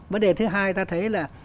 vấn đề thứ hai ta thấy là